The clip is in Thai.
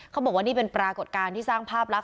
เขาบอกว่านี่เป็นปรากฏการณ์ที่สร้างภาพลักษ